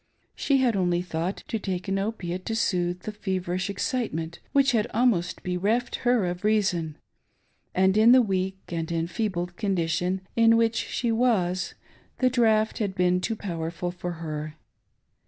She had' only thought to take an opiate to soothe the feverish excite ment which had almost bereft her of reason, and, in the weak and enfeebled condition in which she was, the draught had been too powerful for her.